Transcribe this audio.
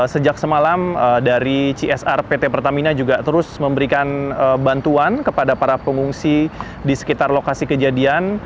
sejak semalam dari csr pt pertamina juga terus memberikan bantuan kepada para pengungsi di sekitar lokasi kejadian